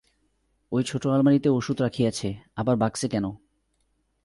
ওই ছোট আলমারিতে ওষুধ রাখিয়াছে, আবার বাক্সে কেন?